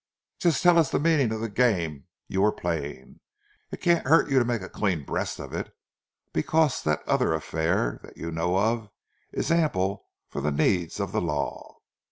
Just tell us the meaning of the game you were playing. It can't hurt you to make a clean breast of it; because that other affair that you know of is ample for the needs of the Law."